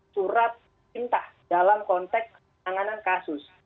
surat cinta dalam konteks tanganan kasus